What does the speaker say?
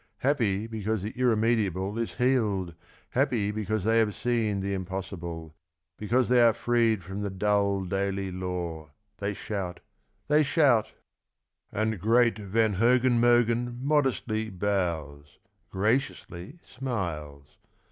Happy because the irremediable is healed, Happy because they have seen the impossible. Because they are freed from the dull daily law. They shout, they shout. And great Van Hogen Mogen Modestly bows, graciously smiles.